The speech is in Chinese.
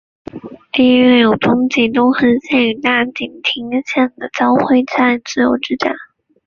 地域内有东急东横线与大井町线的交会站自由之丘站。